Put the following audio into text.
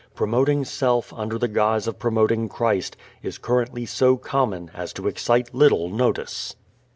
Promoting self under the guise of promoting Christ is currently so common as to excite little notice.